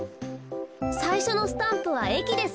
さいしょのスタンプはえきです。